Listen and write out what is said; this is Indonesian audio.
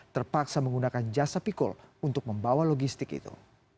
terpaksa menggunakan jasa pikul untuk membawa logistik itu